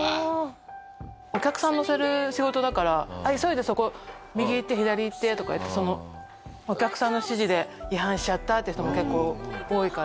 お客さん乗せる仕事だから急いでそこ右行って左行ってとか言ってお客さんの指示で違反しちゃったって人も結構多いから。